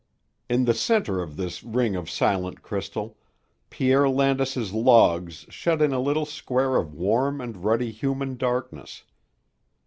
In the center of this ring of silent crystal, Pierre Landis's logs shut in a little square of warm and ruddy human darkness.